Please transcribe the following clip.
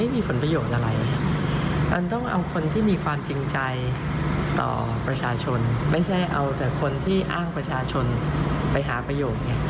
ไม่ใช่เอาแต่คนที่อ้างประชาชนไปหาประโยค